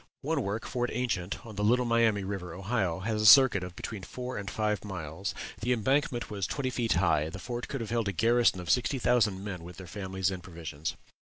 One work, Fort Ancient, on the Little Miami River, Ohio, has a circuit of between four and five miles; the embankment was twenty feet high; the fort could have held a garrison of sixty thousand men with their families and provisions.